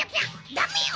ダメよ！